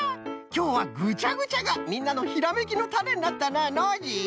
きょうはぐちゃぐちゃがみんなのひらめきのタネになったなノージー。